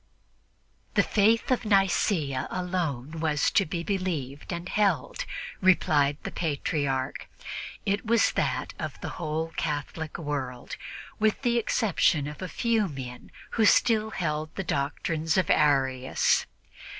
The faith of Nicea was alone to be believed and held, replied the Patriarch; it was that of the whole Catholic world, with the exception of a few men who still held the doctrines of Arius.